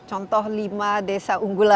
contoh lima desa unggulan